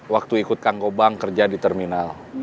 waktu ikut kang gobang kerja di terminal